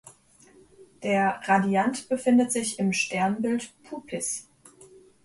Der Radiant befindet sich im Sternbild Puppis.